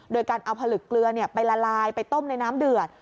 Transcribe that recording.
โดยการเอาผลึกเกลือไปละลายไปต้มในน้ำเดือด